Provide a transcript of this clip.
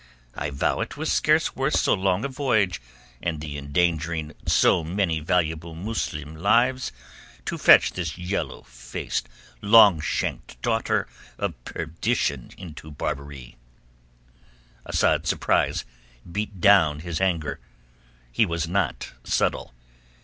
"I vow it was scarce worth so long a voyage and the endangering so many valuable Muslim lives to fetch this yellow faced, long shanked daughter of perdition into Barbary." Asad's surprise beat down his anger. He was not subtle.